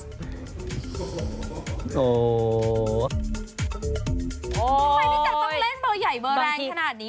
ทำไมพี่แจ๊คต้องเล่นเบอร์ใหญ่เบอร์แรงขนาดนี้